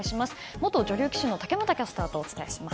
元女流棋士の竹俣キャスターとお伝えします。